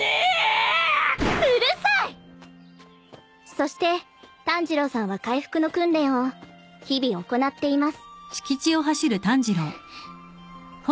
［そして炭治郎さんは回復の訓練を日々行っています］